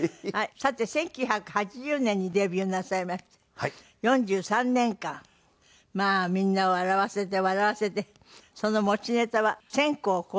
さて１９８０年にデビューなさいまして４３年間まあみんなを笑わせて笑わせてその持ちネタは１０００個を超えるという。